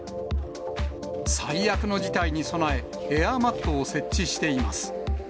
最悪の事態に備え、エアマットを設置しています。